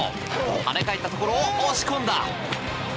跳ね返ったところを押し込んだ！